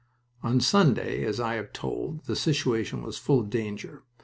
On Sunday, as I have told, the situation was full of danger.